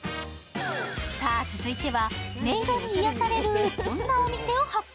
続いては、音色に癒やされる、こんなお店を発見。